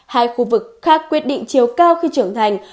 hai khu vực khác quyết định chiều cao khi trưởng thành